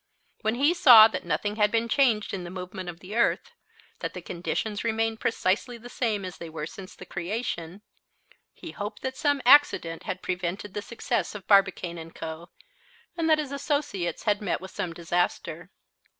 When he saw that nothing had been changed in the movement of the earth, that the conditions remained precisely the same as they were since the creation, he hoped that some accident had prevented the success of Barbicane & Co., and that his associates had met with some disaster.